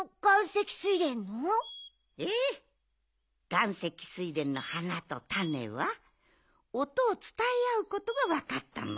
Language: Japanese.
がんせきスイレンの花とタネはおとをつたえあうことがわかったの。